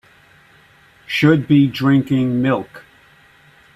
Should be drinking milk.